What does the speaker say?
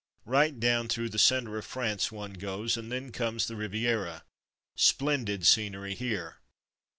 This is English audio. Right down through the centre of France one goes, and then comes the Riviera. Splendid scenery here.